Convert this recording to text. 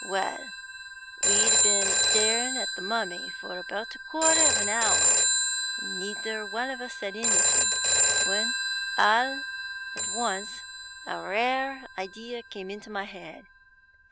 Well, we'd been staring at a mummy for about a quarter of an hour, and neither of us said anything, when all at once a rare idea came into my head.